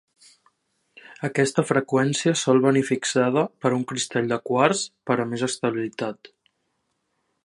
Aquesta freqüència sol venir fixada per un cristall de quars per a més estabilitat.